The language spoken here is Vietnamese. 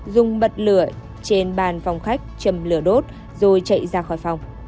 dùng bật lửa trên bàn phòng khách chầm lửa đốt rồi chạy ra khỏi phòng